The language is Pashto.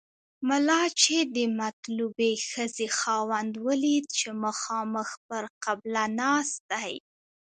ملا چې د مطلوبې ښځې خاوند ولید چې مخامخ پر قبله ناست دی.